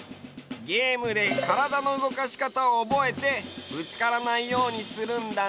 ゲームで体の動かし方をおぼえてぶつからないようにするんだね。